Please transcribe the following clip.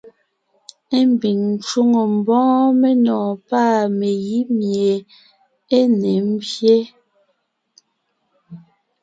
Ḿbiŋ ńcwoŋo ḿbɔ́ɔn menɔ̀ɔn pâ megǐ míe é ne ḿbyé.